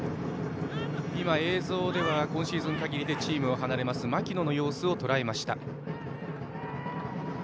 映像では今シーズン限りでチームを離れます槙野の様子をとらえました。